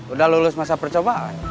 udah lulus masa percobaan